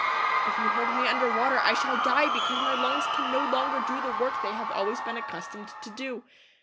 If you hold me under water I shall die, because my lungs can no longer do the work they have always been accustomed to do.